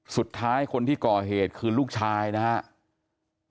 สุดท้ายคนที่ก่อเหตุคือลูกชายนะครับ